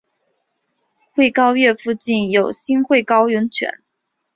穗高岳附近有新穗高温泉。